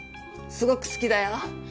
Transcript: すごく好きだよ